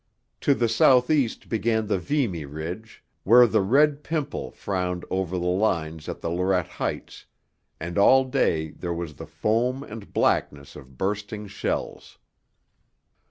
To the south east began the Vimy Ridge, where the red Pimple frowned over the lines at the Lorette Heights, and all day there was the foam and blackness of bursting shells.